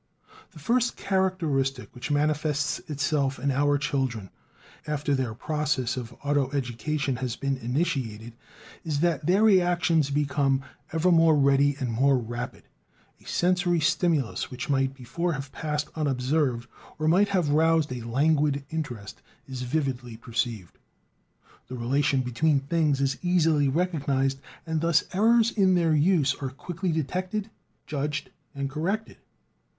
The first characteristic which manifests itself in our children, after their process of auto education has been initiated, is that their reactions become ever more ready and more rapid: a sensory stimulus which might before have passed unobserved or might have roused a languid interest, is vividly perceived. The relation between things is easily recognized, and thus errors in their use are quickly detected, judged, and corrected.